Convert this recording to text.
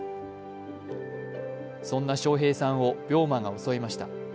そんな笑瓶さんを病魔が襲いました。